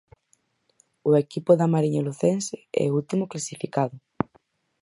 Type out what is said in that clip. O equipo da Mariña Lucense é o último clasificado.